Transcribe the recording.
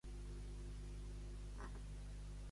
Què ocorria si les joves eren verges?